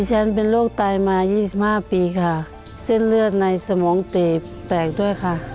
ฉันเป็นโรคไตมา๒๕ปีค่ะเส้นเลือดในสมองตีบแตกด้วยค่ะ